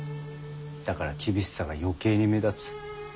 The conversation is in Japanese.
だから厳しさが余計に目立つ。